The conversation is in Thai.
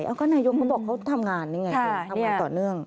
ก็นายอมบอกเธอทำงานยังไงคุณทำงานต่อเนื่อง